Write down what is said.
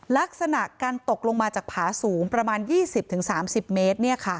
ลักษณะการตกลงมาจากผาสูงประมาณ๒๐๓๐เมตร